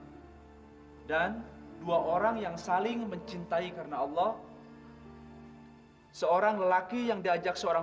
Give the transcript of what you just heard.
hai dan dua orang yang saling mencintai karena allah hai seorang lelaki yang diajak seorang